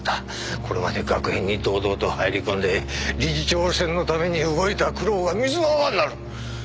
これまで学園に堂々と入り込んで理事長選のために動いた苦労が水の泡になる！